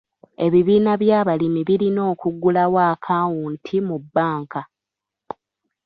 Ebibiina by'abalimi birina okuggulawo akawunti mu bbanka.